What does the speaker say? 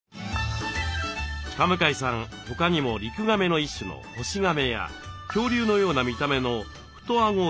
田向さん他にもリクガメの一種のホシガメや恐竜のような見た目のフトアゴヒゲトカゲ。